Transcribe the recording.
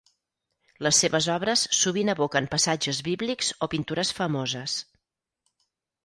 Les seves obres sovint evoquen passatges bíblics o pintures famoses.